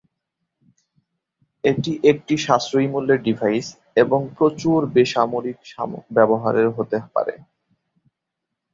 এটি একটি সাশ্রয়ী মূল্যের ডিভাইস এবং "প্রচুর" বেসামরিক ব্যবহারের হতে পারে।